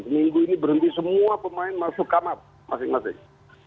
minggu ini berhenti semua pemain masuk kamar masing masing